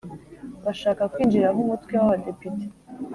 bashaka kwinjira aho Umutwe w Abadepite